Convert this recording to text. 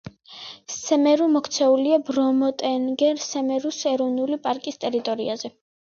სემერუ მოქცეულია ბრომო-ტენგერ-სემერუს ეროვნული პარკის ტერიტორიაზე.